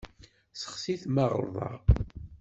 Seɣtit ma ɣelḍeɣ.